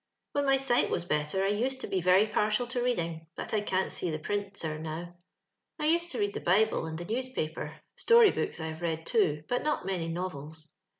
"When my sight was better, I usicd to be very partial to reading; but I c^n'l sec the print, yir, now. I used to read the Bible, and the newspaper. Story books I have read, too. but not many novels.